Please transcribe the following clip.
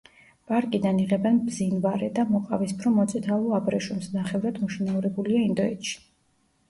პარკიდან იღებენ ბზინვარე და მოყავისფრო-მოწითალო აბრეშუმს, ნახევრად მოშინაურებულია ინდოეთში.